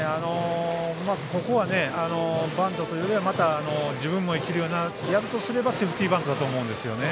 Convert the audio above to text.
ここはバントというよりは自分も生きるようなやるとすればセーフティーバントだと思うんですね。